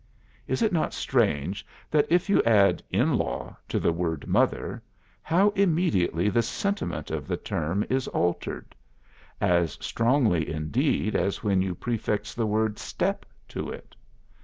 Is it not strange that if you add 'in law' to the word 'mother,' how immediately the sentiment of the term is altered? as strongly indeed as when you prefix the word 'step' to it.